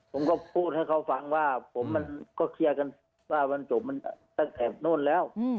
ผมก็พูดให้เขาฟังว่าผมมันก็เคลียร์กันว่ามันจบมันตั้งแต่โน่นแล้ว